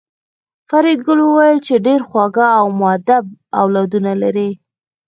فریدګل وویل چې ډېر خواږه او مودب اولادونه لرې